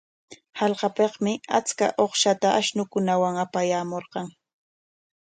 Hallqapikmi achka uqshata ashnunkunawan apayaamurqan.